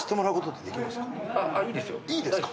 いいですか？